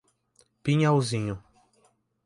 Pinhalzinho